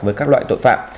với các loại tội phạm